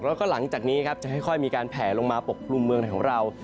แล้วก็หลังจากนี้ครับจะค่อยมีการแผลลงมาปกกลุ่มเมืองไทยของเรา